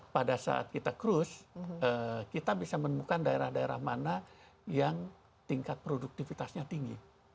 pada saat kita cruise kita bisa menemukan daerah daerah mana yang tingkat produktivitasnya tinggi